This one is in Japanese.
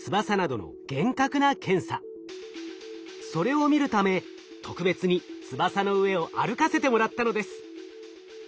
それを見るため特別に翼の上を歩かせてもらったのです。